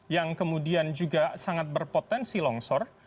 yang kemudian juga sangat berpotensi longsor